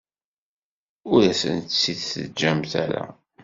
Ur asen-tt-id-teǧǧamt ara.